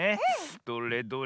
どれどれ。